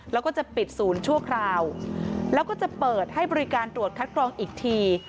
แล้วก็จะปิดศูนย์ชั่วคราวแล้วก็จะเปิดให้บริการตรวจคัดกรองอีกที